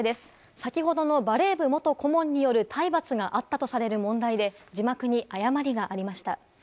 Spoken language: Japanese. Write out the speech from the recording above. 先ほどのバレー部元顧問による体罰があったとされる問題で、字幕に誤りがありました。